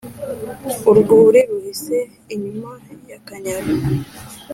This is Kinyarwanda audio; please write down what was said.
urwuri ruhise inyuma y' akanyaru